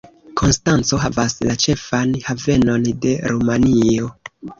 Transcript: Konstanco havas la ĉefan havenon de Rumanio.